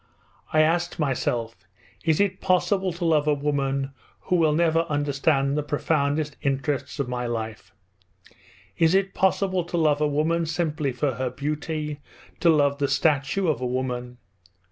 I asked myself: "Is it possible to love a woman who will never understand the profoundest interests of my life? Is it possible to love a woman simply for her beauty, to love the statue of a woman?"